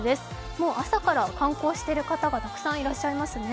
もう朝から観光している方がたくさんいらっしゃいますね。